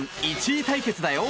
１位対決だよ。